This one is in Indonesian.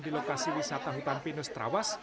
di lokasi wisata hutan pinus trawas